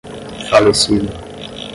falecido